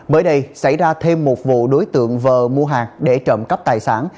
mới đây xảy ra thêm một vụ đối tượng vờ mua hàng để trộm cắp tài sản